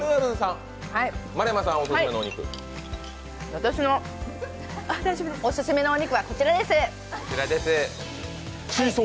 私のオススメのお肉はこちらです。